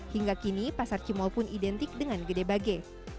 hingga kini pasar cimol pun identik dengan gede bage